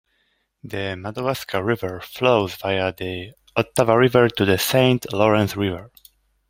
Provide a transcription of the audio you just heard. The Madawaska River flows via the Ottawa River to the Saint Lawrence River.